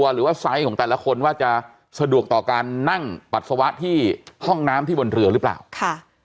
หรือว่าไซส์ของแต่ละคนว่าจะสะดวกต่อการนั่งปัสสาวะที่ห้องน้ำที่บนเรือหรือเปล่าค่ะ